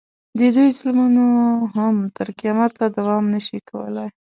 د دوی ظلمونه هم تر قیامته دوام نه شي کولی.